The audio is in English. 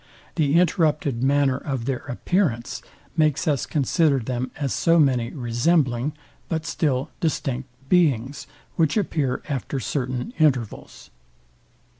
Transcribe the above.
The interrupted manner of their appearance makes us consider them as so many resembling, but still distinct beings, which appear after certain intervals.